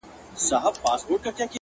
وغورځول،